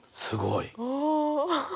すごい！お！